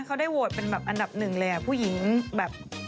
เขาได้โหวตเป็นแบบอันดับหนึ่งเลยผู้หญิงแบบ